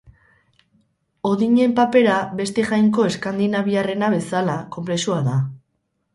Odinen papera, beste jainko eskandinaviarrena bezala, konplexua da.